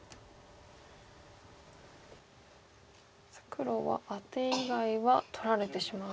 黒はアテ以外は取られてしまうんですね。